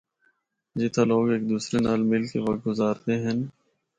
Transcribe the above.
جتھا لوگ ہک دوسرے نال مل کے وقت گزاردے ہن۔